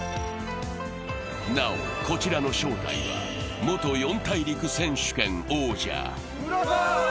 なお、こちらの正体は元四大陸選手権王者。